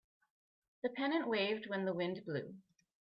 The pennant waved when the wind blew.